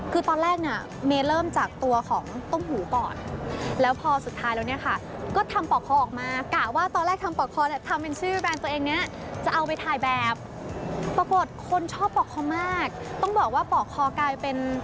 คือตอนแรกเนี่ยเมย์เริ่มจากตัวของต้มหูก่อน